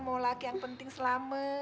mau laki yang penting selama